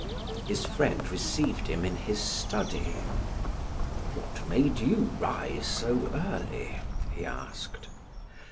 His friend received him in his study. "What made you rise so early?" he asked.